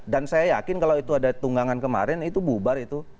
dan saya yakin kalau itu ada tunggangan kemarin itu bubar itu